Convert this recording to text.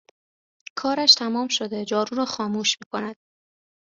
کارش تمام شده جارو را خاموش میکند